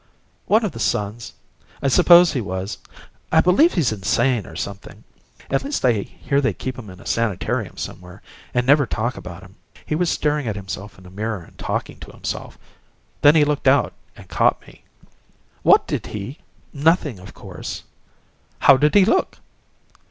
"One of the sons, I suppose he was. I believe he's insane, or something. At least I hear they keep him in a sanitarium somewhere, and never talk about him. He was staring at himself in a mirror and talking to himself. Then he looked out and caught me." "What did he " "Nothing, of course." "How did he look?"